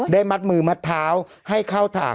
ได้มัดมือมัดเท้าให้เข้าทาง